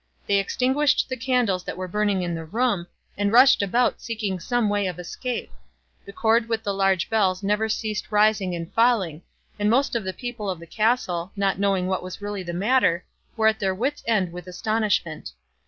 They extinguished the candles that were burning in the room, and rushed about seeking some way of escape; the cord with the large bells never ceased rising and falling; and most of the people of the castle, not knowing what was really the matter, were at their wits' end with astonishment.